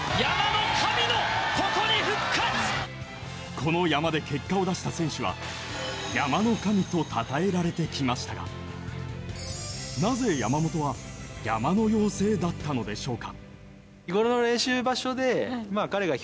この山で結果を出した選手は山の神とたたえられてきましたがなぜ山本は山の妖精だったのでしょうか？